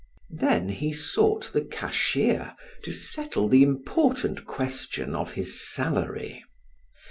Then he sought the cashier to settle the important question of his salary.